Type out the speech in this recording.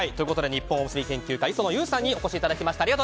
日本おむすび研究会の磯野ユウさんにお越しいただきました。